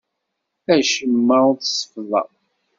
Acemma ur t-seffḍeɣ.